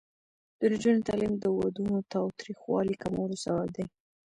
د نجونو تعلیم د ودونو تاوتریخوالي کمولو سبب دی.